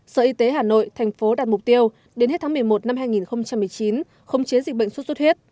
sở y tế hà nội thành phố đạt mục tiêu đến hết tháng một mươi một năm hai nghìn một mươi chín khống chế dịch bệnh xuất xuất huyết